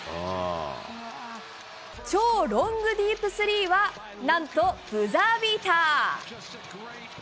超ロングディープスリーは、なんとブザービーター。